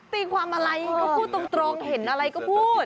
ตีความอะไรก็พูดตรงเห็นอะไรก็พูด